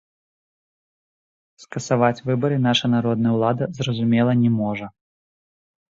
Скасаваць выбары наша народная улада, зразумела, не можа.